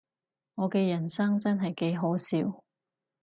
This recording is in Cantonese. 我嘅人生真係幾可笑